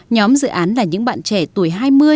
nhóm dự án là những bạn trẻ tuổi hai mươi